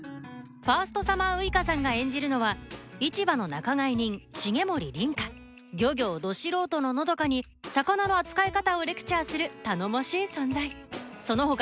ファーストサマーウイカさんが演じるのは市場の仲買人重森梨花漁業ど素人の和佳に魚の扱い方をレクチャーする頼もしい存在その他